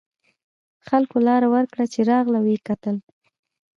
خلکو لار ورکړه چې راغله و یې کتل.